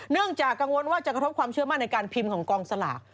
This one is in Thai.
จากกังวลว่าจะกระทบความเชื่อมั่นในการพิมพ์ของกองสลาก